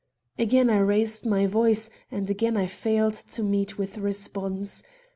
Again I raised my voice, and again I failed to meet with response.